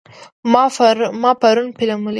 ما پرون یو فلم ولید.